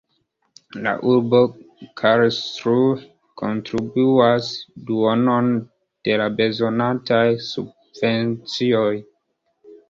La urbo Karlsruhe kontribuas duonon de la bezonataj subvencioj.